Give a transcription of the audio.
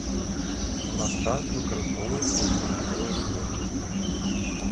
У наш час выкарыстоўваецца ў прамысловай вытворчасці.